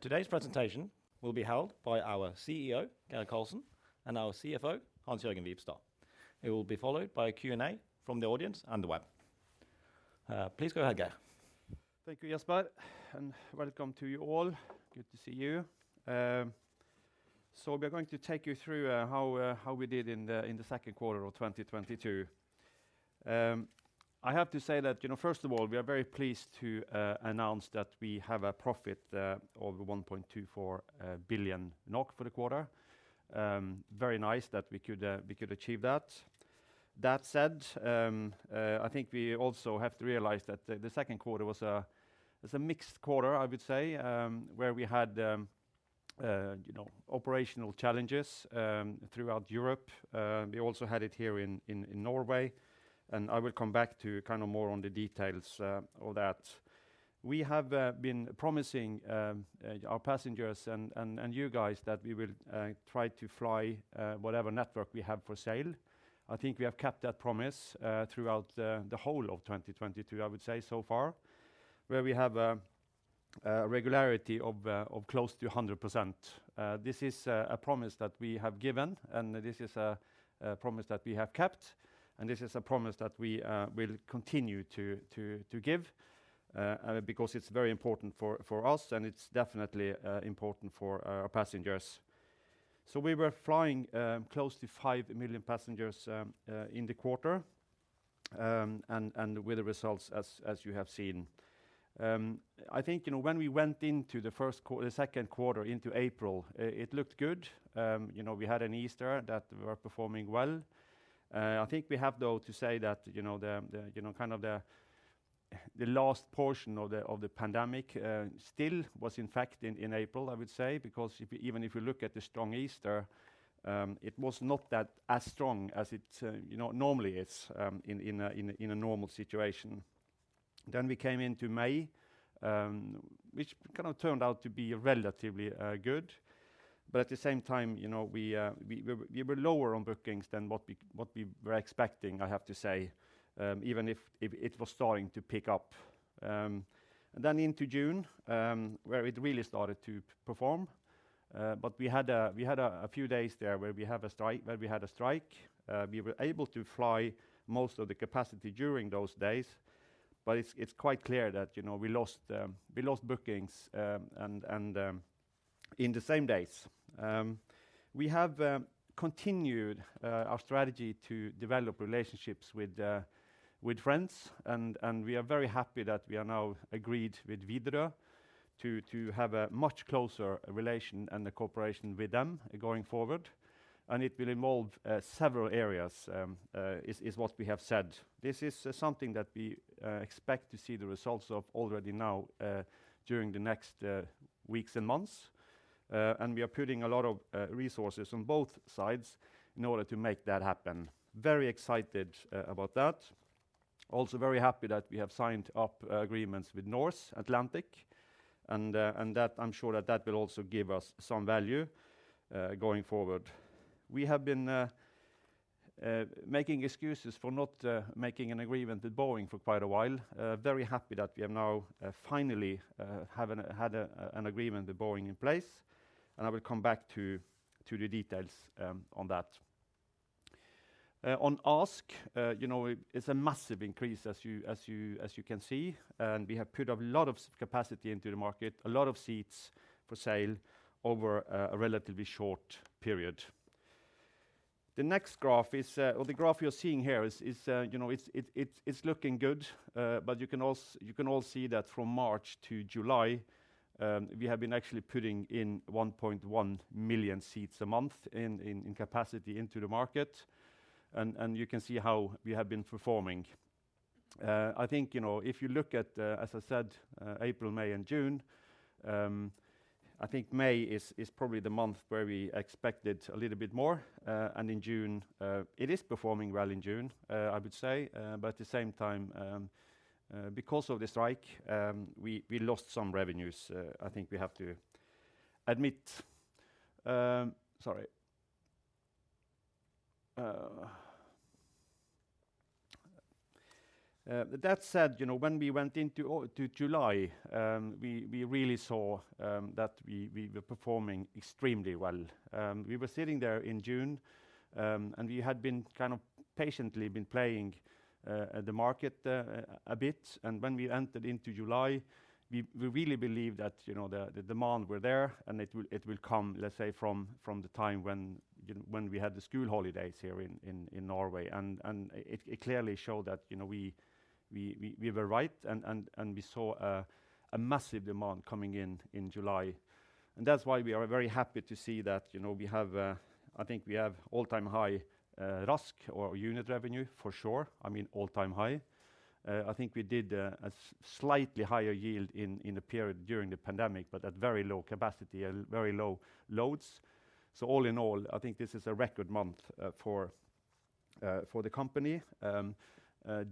Today's presentation will be held by our CEO, Geir Karlsen, and our CFO, Hans-Jørgen Wibstad. It will be followed by a Q&A from the audience and the web. Please go ahead, Geir. Thank you, Jesper, and welcome to you all. Good to see you. We are going to take you through how we did in the second quarter of 2022. I have to say that, you know, first of all, we are very pleased to announce that we have a profit over 1.24 billion NOK for the quarter. Very nice that we could achieve that. That said, I think we also have to realize that the second quarter was a mixed quarter, I would say, where we had, you know, operational challenges throughout Europe. We also had it here in Norway, and I will come back to kind of more on the details, all that. We have been promising our passengers and you guys that we will try to fly whatever network we have for sale. I think we have kept that promise throughout the whole of 2022, I would say so far, where we have regularity of close to 100%. This is a promise that we have given, and this is a promise that we have kept, and this is a promise that we will continue to give because it's very important for us, and it's definitely important for our passengers. We were flying close to 5 million passengers in the quarter, and with the results as you have seen. I think, you know, when we went into the second quarter into April, it looked good. You know, we had an Easter that we were performing well. I think we have, though, to say that, you know, the you know, kind of the last portion of the pandemic still was in fact in April, I would say, because even if you look at the strong Easter, it was not that as strong as it, you know, normally is, in a normal situation. We came into May, which kind of turned out to be relatively good. At the same time, you know, we were lower on bookings than what we were expecting, I have to say, even if it was starting to pick up. Then into June, where it really started to perform, but we had a few days there where we had a strike. We were able to fly most of the capacity during those days, but it's quite clear that, you know, we lost bookings, and in the same days. We have continued our strategy to develop relationships with friends and we are very happy that we are now agreed with Widerøe to have a much closer relation and a cooperation with them going forward, and it will involve several areas, is what we have said. This is something that we expect to see the results of already now during the next weeks and months, and we are putting a lot of resources on both sides in order to make that happen. Very excited about that. Also very happy that we have signed up agreements with Norse Atlantic and that I'm sure that will also give us some value going forward. We have been making excuses for not making an agreement with Boeing for quite a while. Very happy that we have now finally had an agreement with Boeing in place, and I will come back to the details on that. On ASK, you know, it's a massive increase as you can see, and we have put a lot of capacity into the market, a lot of seats for sale over a relatively short period. The next graph, or the graph you're seeing here, you know, it's looking good, but you can all see that from March to July, we have been actually putting in 1.1 million seats a month in capacity into the market and you can see how we have been performing. I think, you know, if you look at, as I said, April, May, and June, I think May is probably the month where we expected a little bit more, and in June, it is performing well in June, I would say, but at the same time, because of the strike, we lost some revenues, I think we have to admit. Sorry. That said, you know, when we went into July, we really saw that we were performing extremely well. We were sitting there in June, and we had been kind of patiently playing the market a bit and when we entered into July, we really believed that, you know, the demand were there and it will come, let's say, from the time when we had the school holidays here in Norway. It clearly showed that, you know, we were right and we saw a massive demand coming in July. That's why we are very happy to see that, you know, we have, I think we have all-time high RASK or unit revenue for sure. I mean, all-time high. I think we did a slightly higher yield in the period during the pandemic, but at very low capacity and very low loads. All in all, I think this is a record month for the company,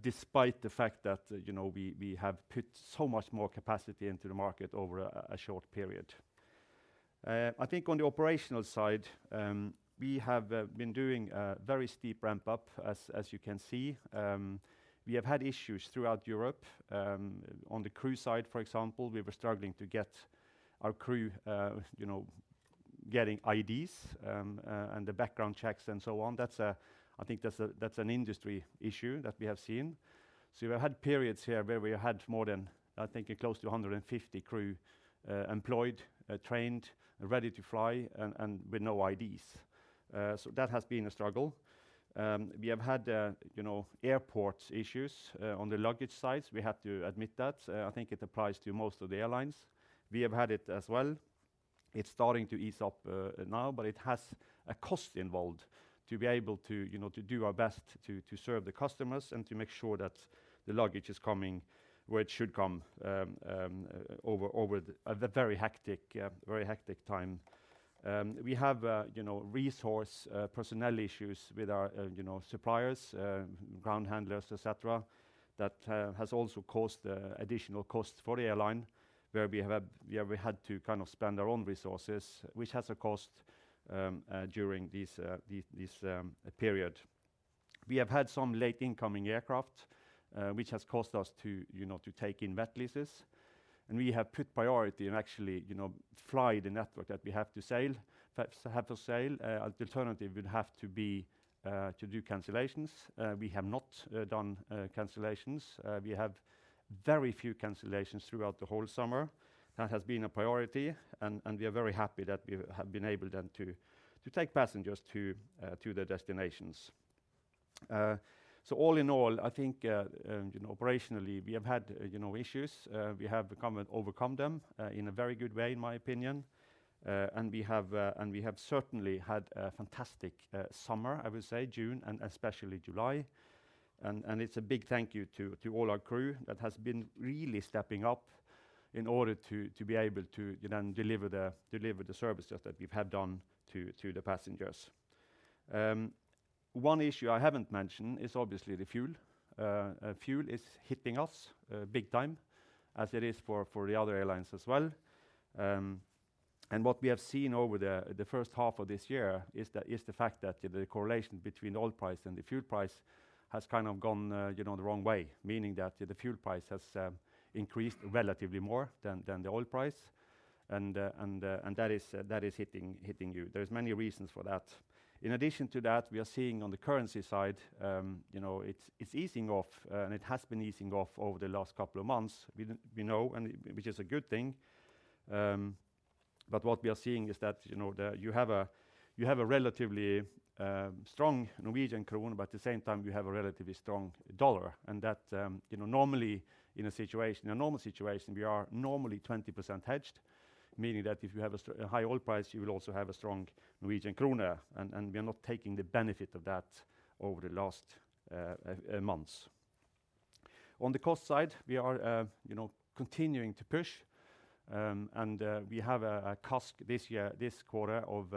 despite the fact that, you know, we have put so much more capacity into the market over a short period. I think on the operational side, we have been doing a very steep ramp up as you can see. We have had issues throughout Europe on the crew side, for example, we were struggling to get our crew, you know, getting IDs and the background checks and so on. That's an industry issue that we have seen. We had periods here where we had more than, I think, close to 150 crew employed, trained, ready to fly and with no IDs. That has been a struggle. We have had, you know, airports issues on the luggage side. We have to admit that. I think it applies to most of the airlines. We have had it as well. It's starting to ease up now, but it has a cost involved to be able to, you know, to do our best to serve the customers and to make sure that the luggage is coming where it should come over a very hectic time. We have, you know, resource personnel issues with our, you know, suppliers, ground handlers, et cetera, that has also caused additional costs for the airline where we have had to kind of spend our own resources, which has a cost during this period. We have had some late incoming aircraft, which has caused us to, you know, to take in wet leases. We have put priority and actually, you know, fly the network that we have to serve. Alternative would have to be to do cancellations. We have not done cancellations. We have very few cancellations throughout the whole summer. That has been a priority and we are very happy that we have been able then to take passengers to their destinations. All in all, I think, you know, operationally, we have had, you know, issues. We have overcome them in a very good way, in my opinion. We have certainly had a fantastic summer, I would say, June and especially July. It's a big thank you to all our crew that has been really stepping up in order to be able to then deliver the services that we have done to the passengers. One issue I haven't mentioned is obviously the fuel. Fuel is hitting us big time, as it is for the other airlines as well. What we have seen over the first half of this year is the fact that the correlation between oil price and the fuel price has kind of gone, you know, the wrong way, meaning that the fuel price has increased relatively more than the oil price. That is hitting you. There's many reasons for that. In addition to that, we are seeing on the currency side, you know, it's easing off, and it has been easing off over the last couple of months, we know, and which is a good thing. But what we are seeing is that, you know, you have a relatively strong Norwegian krone, but at the same time, you have a relatively strong dollar. That normally in a normal situation, we are normally 20% hedged, meaning that if you have a high oil price, you will also have a strong Norwegian krone, and we are not taking the benefit of that over the last months. On the cost side, we are, you know, continuing to push, and we have a CASK this year, this quarter of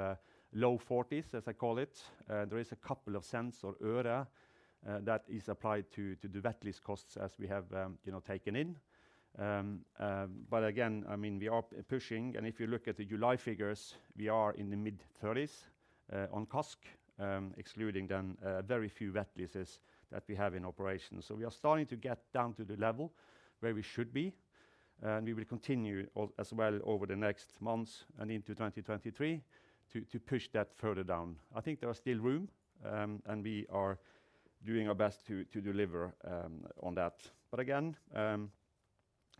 low 40s, as I call it. There is a couple of cents or øre that is applied to the wet lease costs as we have, you know, taken in. Again, I mean, we are pushing, and if you look at the July figures, we are in the mid-30s on CASK, excluding then very few wet leases that we have in operation. We are starting to get down to the level where we should be, and we will continue as well over the next months and into 2023 to push that further down. I think there is still room, and we are doing our best to deliver on that. Again,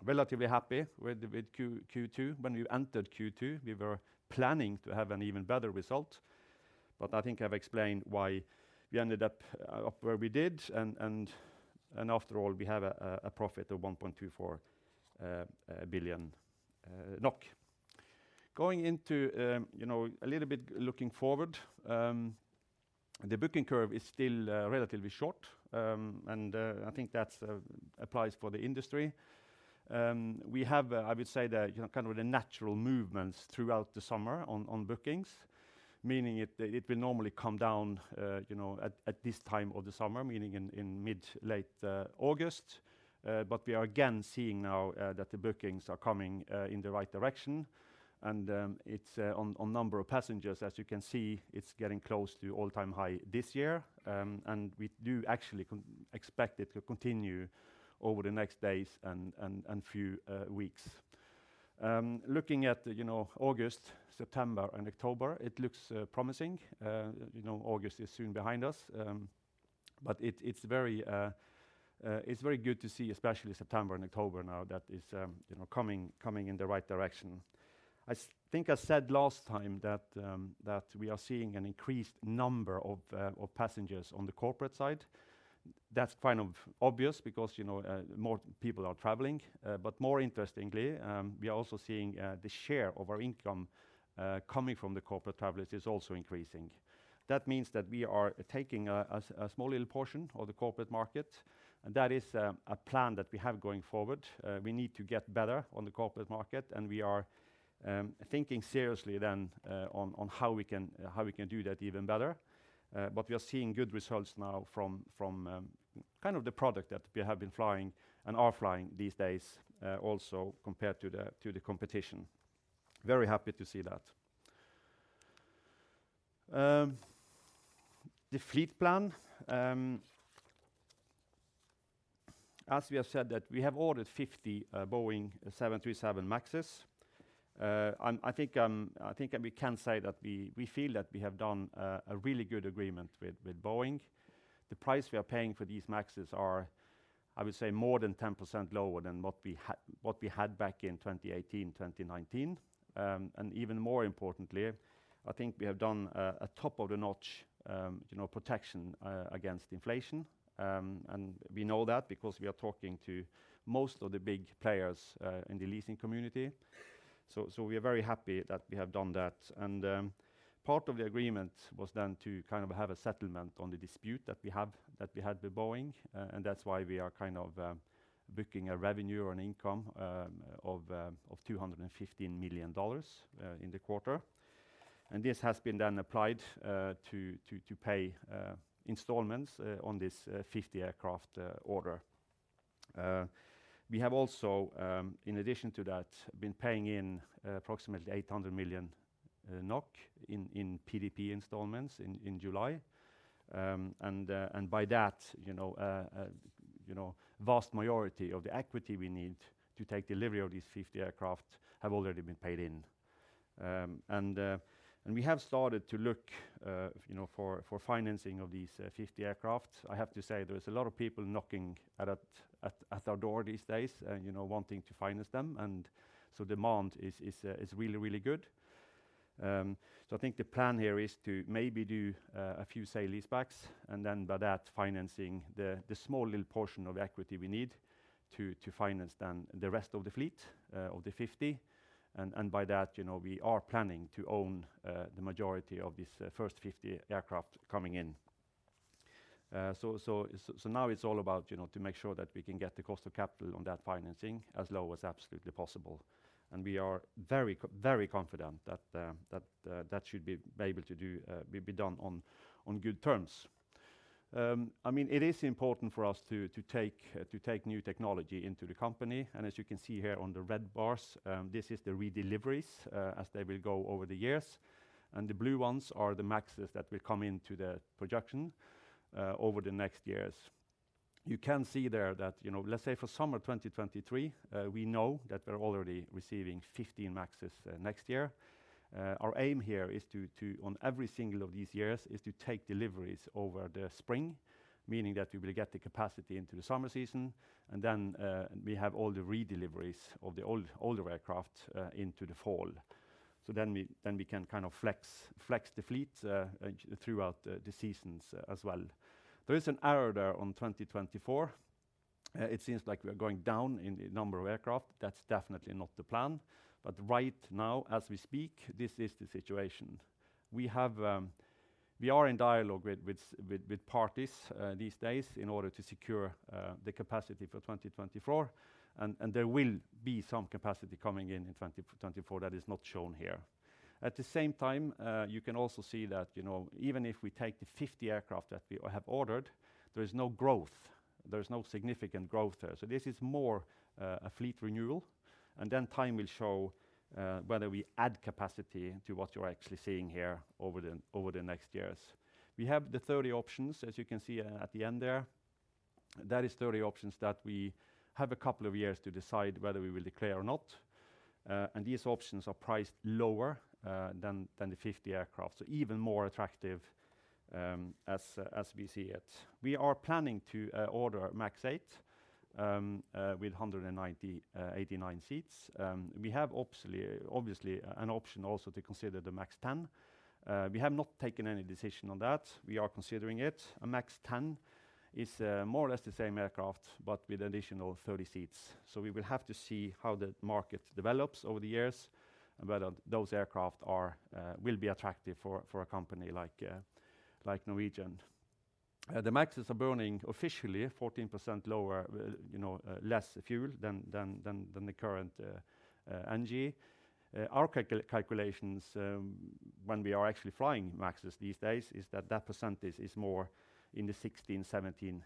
relatively happy with Q2. When we entered Q2, we were planning to have an even better result, but I think I've explained why we ended up where we did and after all, we have a profit of 1.24 billion NOK. Going into you know a little bit looking forward, the booking curve is still relatively short, and I think that applies for the industry. We have, I would say you know kind of the natural movements throughout the summer on bookings, meaning it will normally come down you know at this time of the summer, meaning in mid, late August. We are again seeing now that the bookings are coming in the right direction and it's on number of passengers, as you can see, it's getting close to all-time high this year. We do actually expect it to continue over the next days and few weeks. Looking at, you know, August, September and October, it looks promising. You know, August is soon behind us, but it's very good to see, especially September and October now that is, you know, coming in the right direction. I think I said last time that we are seeing an increased number of passengers on the corporate side. That's kind of obvious because, you know, more people are traveling. More interestingly, we are also seeing the share of our income coming from the corporate travelers is also increasing. That means that we are taking a small little portion of the corporate market, and that is a plan that we have going forward. We need to get better on the corporate market, and we are thinking seriously then on how we can do that even better. We are seeing good results now from kind of the product that we have been flying and are flying these days, also compared to the competition. Very happy to see that. The fleet plan. As we have said that we have ordered 50 Boeing 737 MAXs. I think we can say that we feel that we have done a really good agreement with Boeing. The price we are paying for these MAXs are, I would say, more than 10% lower than what we had back in 2018, 2019. Even more importantly, I think we have done a top-notch, you know, protection against inflation. We know that because we are talking to most of the big players in the leasing community. We are very happy that we have done that. Part of the agreement was then to kind of have a settlement on the dispute that we had with Boeing. That's why we are kind of booking a revenue or an income of $215 million in the quarter. This has been then applied to pay installments on this 50 aircraft order. We have also in addition to that been paying in approximately 800 million NOK in PDP installments in July. By that, you know, vast majority of the equity we need to take delivery of these 50 aircraft have already been paid in. We have started to look, you know, for financing of these 50 aircraft. I have to say there is a lot of people knocking at our door these days, you know, wanting to finance them. Demand is really good. I think the plan here is to maybe do a few sale-leasebacks and then by that financing the small little portion of equity we need to finance the rest of the fleet of the 50. By that, you know, we are planning to own the majority of these first 50 aircraft coming in. Now it's all about, you know, to make sure that we can get the cost of capital on that financing as low as absolutely possible. We are very confident that that should be able to be done on good terms. I mean, it is important for us to take new technology into the company. As you can see here on the red bars, this is the redeliveries as they will go over the years. The blue ones are the MAXs that will come into the projection over the next years. You can see there that, you know, let's say for summer 2023, we know that we're already receiving 15 MAXs next year. Our aim here is to on every single of these years is to take deliveries over the spring, meaning that we will get the capacity into the summer season, and then we have all the redeliveries of the older aircraft into the fall. We can kind of flex the fleet throughout the seasons as well. There is an error there on 2024. It seems like we are going down in the number of aircraft. That's definitely not the plan. Right now, as we speak, this is the situation. We are in dialogue with parties these days in order to secure the capacity for 2024 and there will be some capacity coming in in 2024 that is not shown here. At the same time, you can also see that, you know, even if we take the 50 aircraft that we have ordered, there is no growth. There is no significant growth there. This is more a fleet renewal, and then time will show whether we add capacity to what you're actually seeing here over the next years. We have the 30 options, as you can see, at the end there. That is 30 options that we have a couple of years to decide whether we will declare or not. And these options are priced lower than the 50 aircraft, so even more attractive, as we see it. We are planning to order MAX 8 with 189 seats. We have obviously an option also to consider the MAX 10. We have not taken any decision on that. We are considering it. A MAX 10 is more or less the same aircraft, but with additional 30 seats. We will have to see how the market develops over the years and whether those aircraft will be attractive for a company like Norwegian. The MAXes are burning officially 14% lower, you know, less fuel than the current NG. Our calculations, when we are actually flying MAXes these days, is that percentage is more in the 16%-17%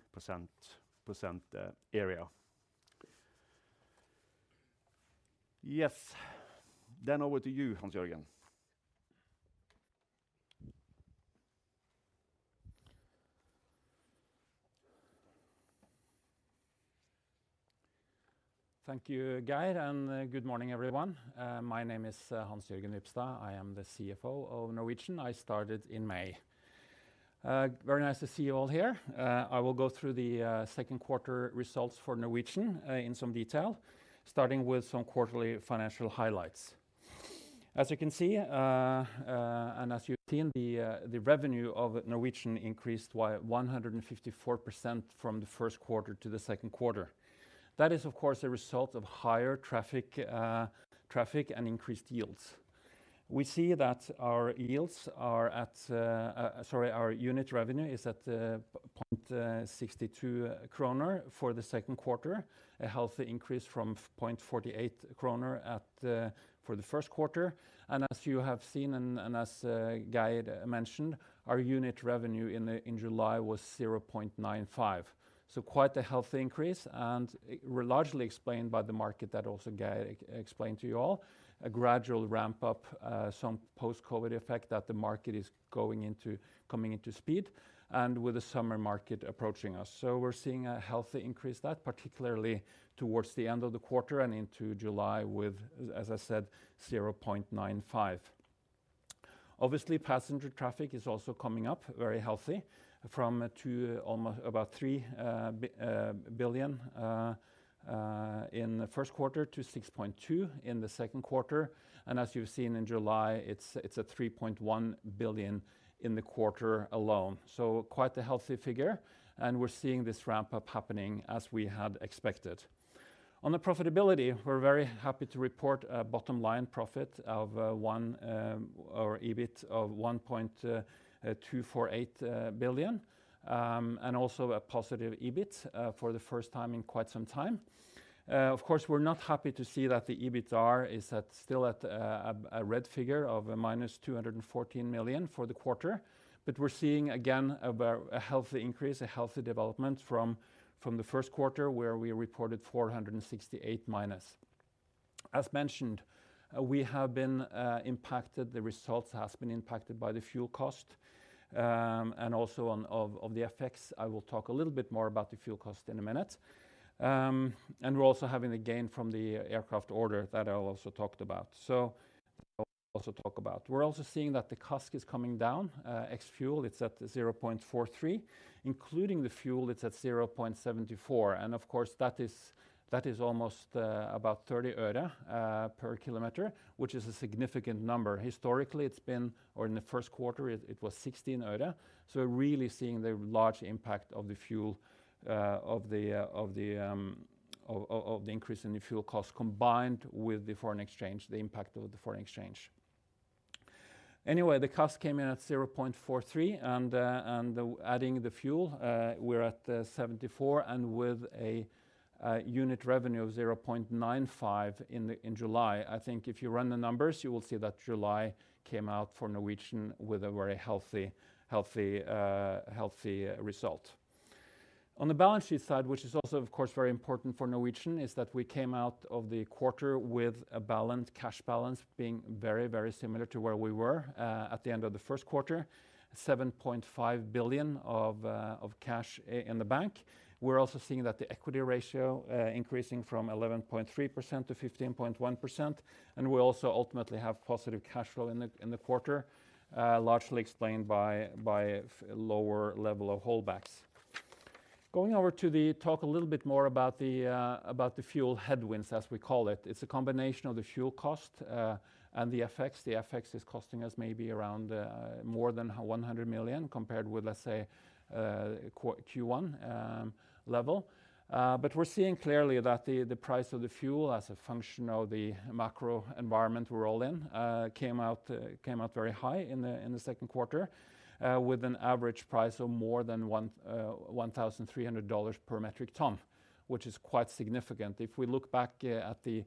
area. Yes. Over to you, Hans-Jørgen. Thank you, Geir, and good morning, everyone. My name is Hans-Jørgen Wibstad. I am the CFO of Norwegian. I started in May. Very nice to see you all here. I will go through the second quarter results for Norwegian in some detail, starting with some quarterly financial highlights. As you can see, and as you've seen, the revenue of Norwegian increased by 154% from the first quarter to the second quarter. That is, of course, a result of higher traffic and increased yields. We see that our unit revenue is at 0.62 kroner for the second quarter, a healthy increase from 0.48 kroner for the first quarter. As you have seen, Geir mentioned, our unit revenue in July was 0.95. Quite a healthy increase and were largely explained by the market that also Geir explained to you all. A gradual ramp-up, some post-COVID effect that the market is going into, coming into speed and with the summer market approaching us. We're seeing a healthy increase that particularly towards the end of the quarter and into July with, as I said, 0.95. Obviously, passenger traffic is also coming up very healthy from about 3 billion in the first quarter to 6.2 billion in the second quarter. As you've seen in July, it's at 3.1 billion in the quarter alone. Quite a healthy figure, and we're seeing this ramp-up happening as we had expected. On the profitability, we're very happy to report a bottom-line profit of or EBIT of 1.248 billion, and also a positive EBIT for the first time in quite some time. Of course, we're not happy to see that the EBITDAR is still at a red figure of -214 million for the quarter. We're seeing again about a healthy increase, a healthy development from the first quarter where we reported -468 million. As mentioned, we have been impacted, the results has been impacted by the fuel cost, and also one of the FX. I will talk a little bit more about the fuel cost in a minute. We're also having a gain from the aircraft order that I'll also talk about. We're also seeing that the CASK is coming down ex fuel, it's at 0.43. Including the fuel, it's at 0.74, and of course, that is almost about NOK 0.3 per kilometer, which is a significant number. Historically, it's been, or in the first quarter, it was 0.16. We're really seeing the large impact of the increase in the fuel cost combined with the impact of the foreign exchange. Anyway, the CASK came in at 0.43 and adding the fuel, we're at 74 and with a unit revenue of 0.95 in July. I think if you run the numbers, you will see that July came out for Norwegian with a very healthy result. On the balance sheet side, which is also, of course, very important for Norwegian, we came out of the quarter with a cash balance being very similar to where we were at the end of the first quarter, 7.5 billion of cash in the bank. We're also seeing that the equity ratio increasing from 11.3% to 15.1%, and we also ultimately have positive cash flow in the quarter, largely explained by lower level of holdbacks. Going over to the talk a little bit more about the fuel headwinds, as we call it. It's a combination of the fuel cost and the FX. The FX is costing us maybe around more than 100 million compared with, let's say, Q1 level. We're seeing clearly that the price of the fuel as a function of the macro environment we're all in came out very high in the second quarter with an average price of more than $1,300 per metric ton, which is quite significant. If we look back at the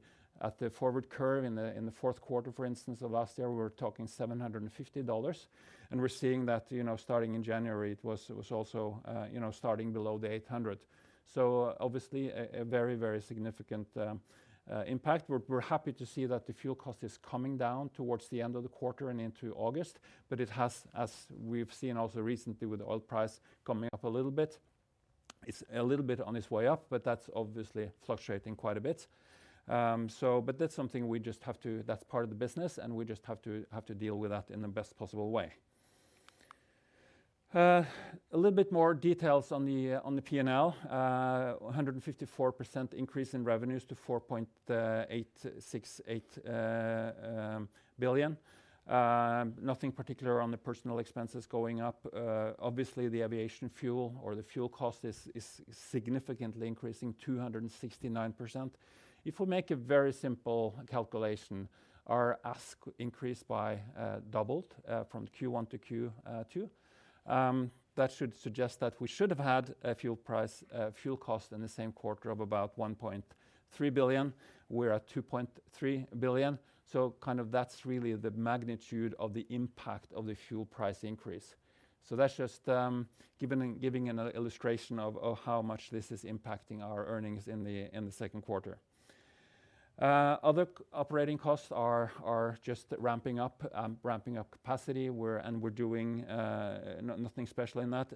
forward curve in the fourth quarter, for instance, of last year, we were talking $750. We're seeing that, you know, starting in January, it was also, you know, starting below $800. Obviously a very significant impact. We're happy to see that the fuel cost is coming down towards the end of the quarter and into August. It has, as we've seen also recently with oil price coming up a little bit, it's a little bit on its way up, but that's obviously fluctuating quite a bit. That's something we just have to. That's part of the business, and we just have to deal with that in the best possible way. A little bit more details on the P&L. A 154% increase in revenues to 4.868 billion. Nothing particular on the personnel expenses going up. Obviously the aviation fuel or the fuel cost is significantly increasing 269%. If we make a very simple calculation, our ASK increased by doubled from Q1 to Q2. That should suggest that we should have had a fuel price, a fuel cost in the same quarter of about 1.3 billion. We're at 2.3 billion. That's really the magnitude of the impact of the fuel price increase. That's just giving an illustration of how much this is impacting our earnings in the second quarter. Other operating costs are just ramping up capacity. We're doing nothing special in that.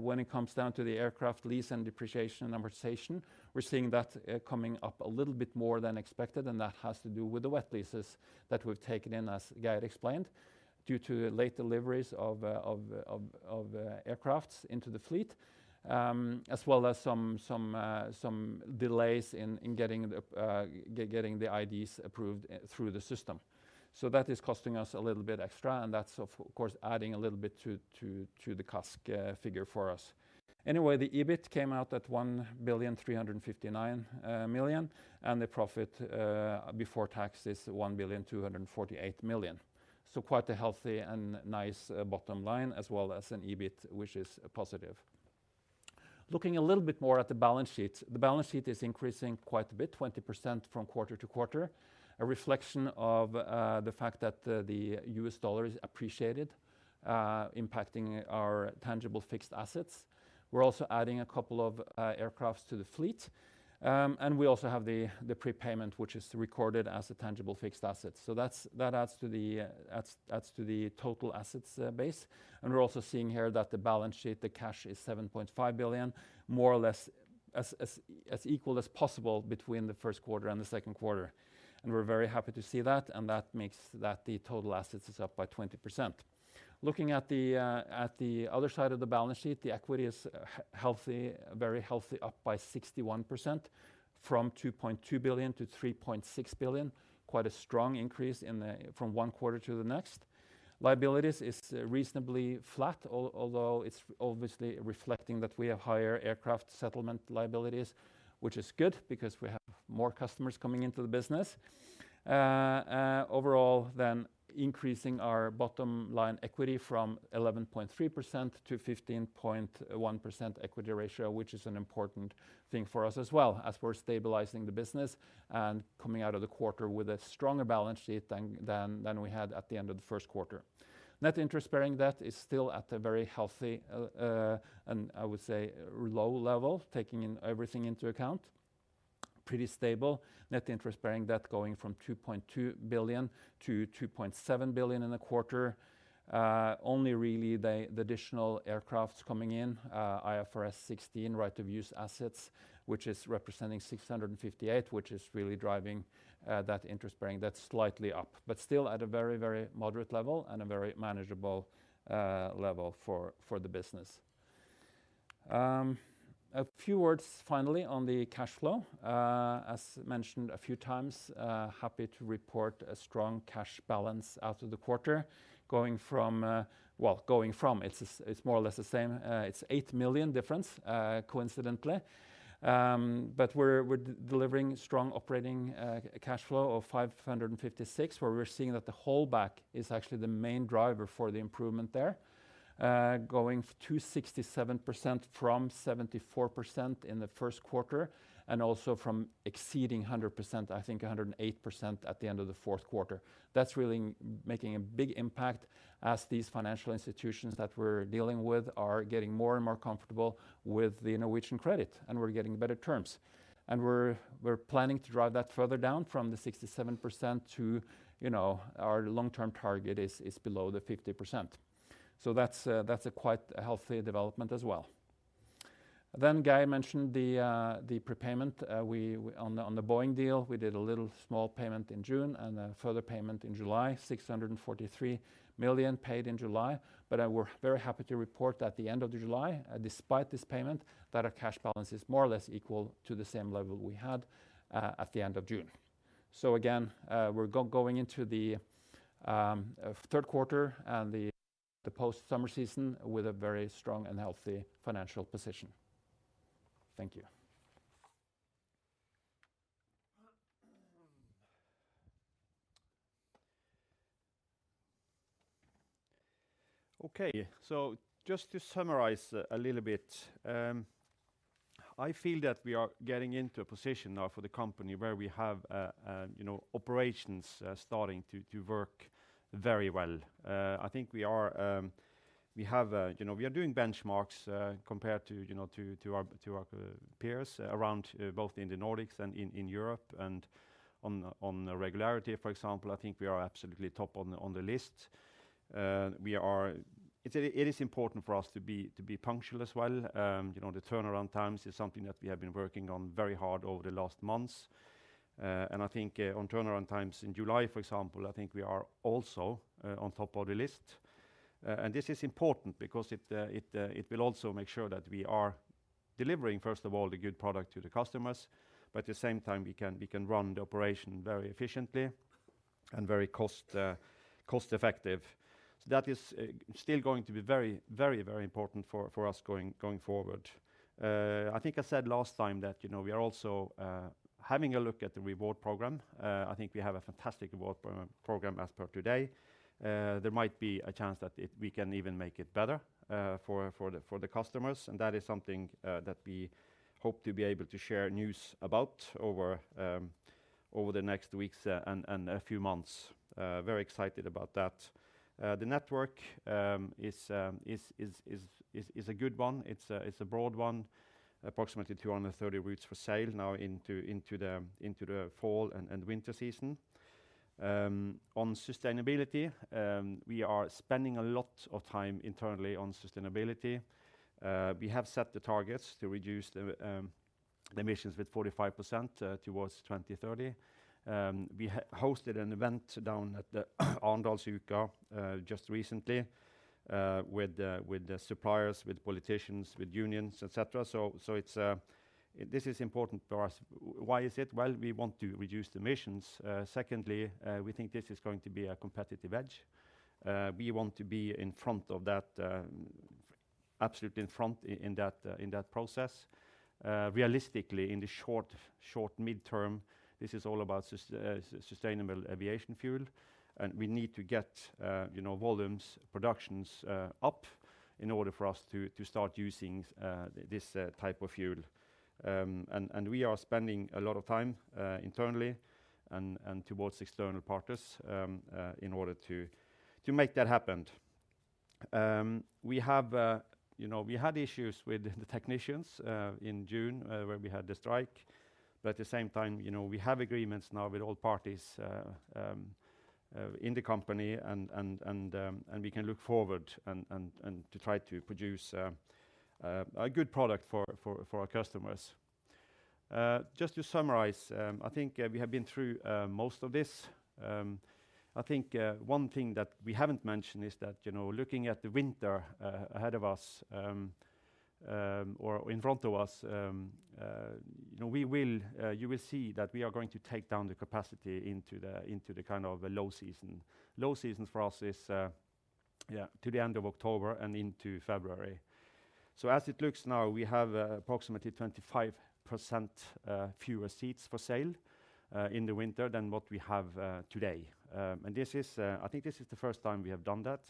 When it comes down to the aircraft lease and depreciation amortization, we're seeing that coming up a little bit more than expected, and that has to do with the wet leases that we've taken in, as Geir explained, due to late deliveries of aircraft into the fleet, as well as some delays in getting the IDs approved through the system. That is costing us a little bit extra, and that's of course adding a little bit to the CASK figure for us. Anyway, the EBIT came out at 1,359,000,000, and the profit before tax is 1,248,000,000. Quite a healthy and nice bottom line, as well as an EBIT, which is positive. Looking a little bit more at the balance sheet. The balance sheet is increasing quite a bit, 20% from quarter-to-quarter, a reflection of the fact that the U.S. dollar has appreciated, impacting our tangible fixed assets. We're also adding a couple of aircrafts to the fleet, and we also have the prepayment, which is recorded as a tangible fixed asset. So that's, that adds to the total assets base. We're also seeing here that the balance sheet, the cash is 7.5 billion, more or less as equal as possible between the first quarter and the second quarter. We're very happy to see that, and that makes that the total assets is up by 20%. Looking at the other side of the balance sheet, the equity is healthy, very healthy, up by 61% from 2.2 billion to 3.6 billion. Quite a strong increase from one quarter to the next. Liabilities is reasonably flat, although it's obviously reflecting that we have higher aircraft settlement liabilities, which is good because we have more customers coming into the business. Overall increasing our bottom line equity from 11.3% to 15.1% equity ratio, which is an important thing for us as well as we're stabilizing the business and coming out of the quarter with a stronger balance sheet than we had at the end of the first quarter. Net interest-bearing debt is still at a very healthy, and I would say low level, taking in everything into account, pretty stable. Net interest-bearing debt going from 2.2 billion to 2.7 billion in a quarter. Only really the additional aircraft coming in, IFRS 16 right-of-use assets, which is representing 658 million, which is really driving that interest-bearing debt slightly up, but still at a very, very moderate level and a very manageable level for the business. A few words finally on the cash flow. As mentioned a few times, happy to report a strong cash balance out of the quarter going from, it's more or less the same. It's 8 million difference, coincidentally. We're delivering strong operating cash flow of 556 million, where we're seeing that the holdback is actually the main driver for the improvement there, going to 67% from 74% in the first quarter and also from exceeding 100%, I think 108% at the end of the fourth quarter. That's really making a big impact as these financial institutions that we're dealing with are getting more and more comfortable with the Norwegian credit, and we're getting better terms. We're planning to drive that further down from the 67% to, you know, our long-term target is below 50%. That's a quite healthy development as well. Geir mentioned the prepayment we on the Boeing deal. We did a little small payment in June and a further payment in July, 643 million paid in July. We're very happy to report at the end of July, despite this payment, that our cash balance is more or less equal to the same level we had at the end of June. Again, we're going into the third quarter and the post-summer season with a very strong and healthy financial position. Thank you. Okay. Just to summarize a little bit, I feel that we are getting into a position now for the company where we have you know, operations starting to work very well. I think we have you know, we are doing benchmarks compared to you know, to our peers around both in the Nordics and in Europe and on the regularity, for example, I think we are absolutely top on the list. It is important for us to be punctual as well. You know, the turnaround times is something that we have been working on very hard over the last months. I think on turnaround times in July, for example, I think we are also on top of the list. This is important because it will also make sure that we are delivering, first of all, a good product to the customers, but at the same time, we can run the operation very efficiently and very cost-effective. That is still going to be very important for us going forward. I think I said last time that, you know, we are also having a look at the reward program. I think we have a fantastic reward program as per today. There might be a chance that we can even make it better for the customers. That is something that we hope to be able to share news about over the next weeks and a few months. Very excited about that. The network is a good one. It's a broad one. Approximately 230 routes for sale now into the fall and winter season. On sustainability, we are spending a lot of time internally on sustainability. We have set the targets to reduce the emissions with 45% towards 2030. We hosted an event down at the Arendalsuka just recently with the suppliers, with politicians, with unions, et cetera. This is important for us. Why is it? Well, we want to reduce the emissions. Secondly, we think this is going to be a competitive edge. We want to be in front of that, absolutely in front in that process. Realistically, in the short midterm, this is all about sustainable aviation fuel, and we need to get, you know, volumes, productions up in order for us to start using this type of fuel. We are spending a lot of time internally and towards external partners in order to make that happen. We have, you know, we had issues with the technicians in June when we had the strike, but at the same time, you know, we have agreements now with all parties in the company and we can look forward to try to produce a good product for our customers. Just to summarize, I think we have been through most of this. I think one thing that we haven't mentioned is that, you know, looking at the winter ahead of us or in front of us, you know, you will see that we are going to take down the capacity into the kind of a low season. Low seasons for us is to the end of October and into February. As it looks now, we have approximately 25% fewer seats for sale in the winter than what we have today. This is, I think this is the first time we have done that.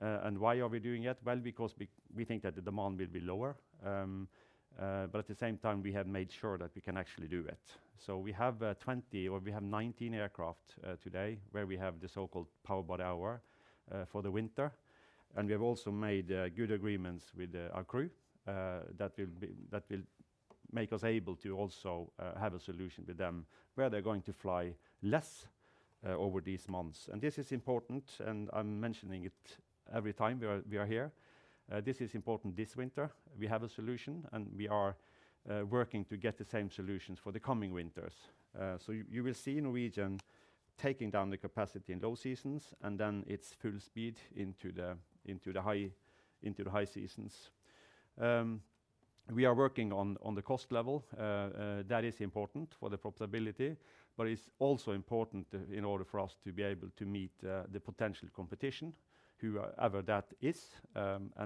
Why are we doing it? Well, because we think that the demand will be lower. At the same time, we have made sure that we can actually do it. We have 19 aircraft today where we have the so-called power by the hour for the winter. We have also made good agreements with our crew that will be. That will make us able to also have a solution with them where they're going to fly less over these months. This is important, and I'm mentioning it every time we are here. This is important this winter. We have a solution, and we are working to get the same solutions for the coming winters. You will see Norwegian taking down the capacity in low seasons, and then it's full speed into the high seasons. We are working on the cost level. That is important for the profitability, but it's also important in order for us to be able to meet the potential competition, whoever that is.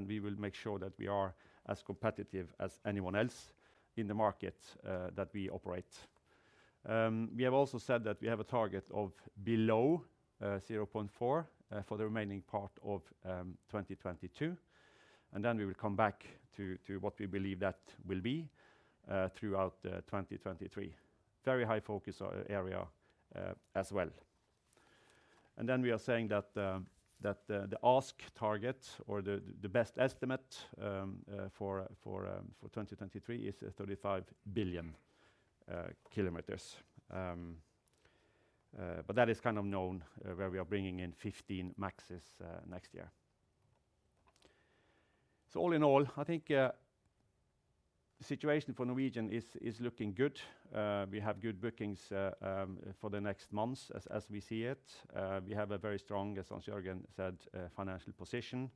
We will make sure that we are as competitive as anyone else in the market that we operate. We have also said that we have a target of below 0.4 for the remaining part of 2022, and then we will come back to what we believe that will be throughout 2023. Very high focus area, as well. We are saying that the ASK target or the best estimate for 2023 is 35 billion kilometers. That is kind of known where we are bringing in 15 MAXs next year. All in all, I think the situation for Norwegian is looking good. We have good bookings for the next months as we see it. We have a very strong, as Hans-Jørgen said, financial position.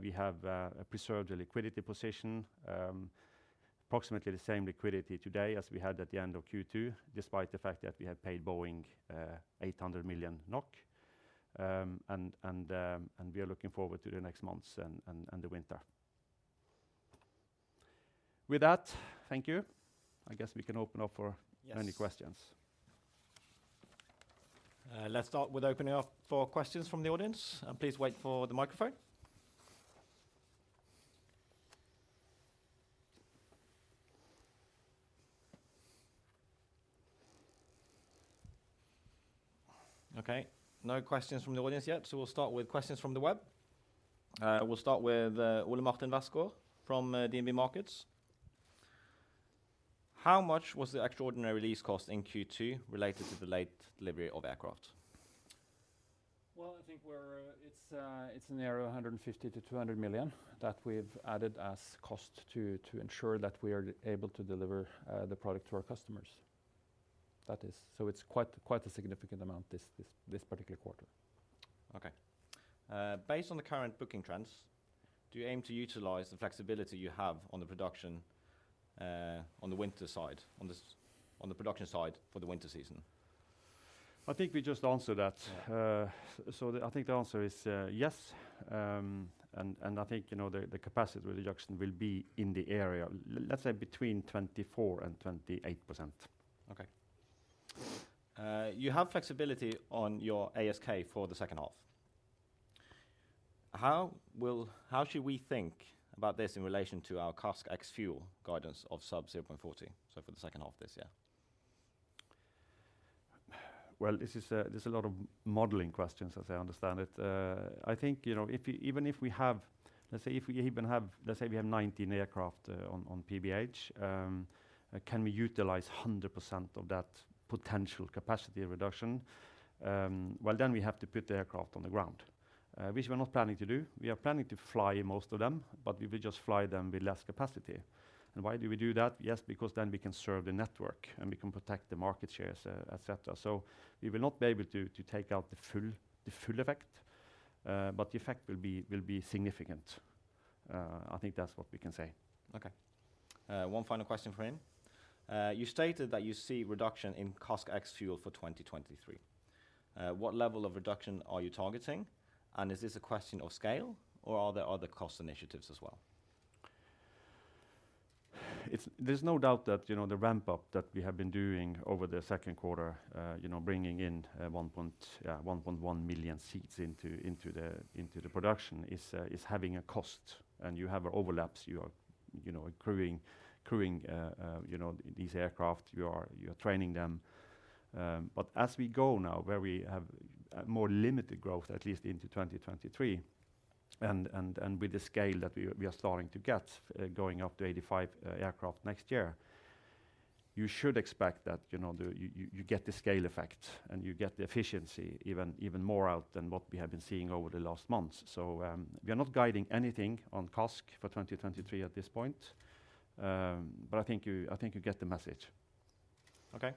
We have preserved the liquidity position, approximately the same liquidity today as we had at the end of Q2, despite the fact that we have paid Boeing 800 million NOK. We are looking forward to the next months and the winter. With that, thank you. I guess we can open up for- Yes. Any questions. Let's start with opening up for questions from the audience. Please wait for the microphone. Okay. No questions from the audience yet, so we'll start with questions from the web. We'll start with Ole Martin Westgaard from DNB Markets. How much was the extraordinary lease cost in Q2 related to the late delivery of aircraft? I think it's in the area of 150 million-200 million that we've added as cost to ensure that we are able to deliver the product to our customers. That is. It's quite a significant amount this particular quarter. Okay. Based on the current booking trends, do you aim to utilize the flexibility you have on the production, on the winter side, on the production side for the winter season? I think we just answered that. Yeah. I think the answer is yes. I think, you know, the capacity reduction will be in the area, let's say between 24% and 28%. Okay. You have flexibility on your ASK for the second half. How should we think about this in relation to our CASK ex fuel guidance of sub 0.40, so for the second half of this year? Well, this is a lot of modeling questions as I understand it. I think, you know, even if we have, let's say, 19 aircraft on PBH, can we utilize 100% of that potential capacity reduction? Well, then we have to put the aircraft on the ground, which we're not planning to do. We are planning to fly most of them, but we will just fly them with less capacity. Why do we do that? Yes, because then we can serve the network, and we can protect the market shares, et cetera. We will not be able to take out the full effect, but the effect will be significant. I think that's what we can say. Okay. One final question for him. You stated that you see reduction in CASK ex fuel for 2023. What level of reduction are you targeting, and is this a question of scale, or are there other cost initiatives as well? There's no doubt that, you know, the ramp-up that we have been doing over the second quarter, you know, bringing in 1.1 million seats into the production is having a cost. You have overlaps. You are, you know, crewing these aircraft. You are training them. As we go now where we have more limited growth, at least into 2023, and with the scale that we are starting to get, going up to 85 aircraft next year, you should expect that, you know, you get the scale effect and you get the efficiency even more out than what we have been seeing over the last months. We are not guiding anything on CASK for 2023 at this point, but I think you get the message. Okay.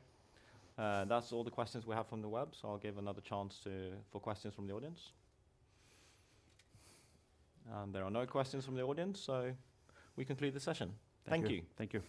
That's all the questions we have from the web, so I'll give another chance for questions from the audience. There are no questions from the audience, so we conclude the session. Thank you. Thank you.